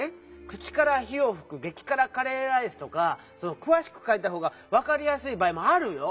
「口から火をふくげきからカレーライス」とかくわしくかいたほうがわかりやすいばあいもあるよ！